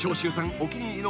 お気に入りの］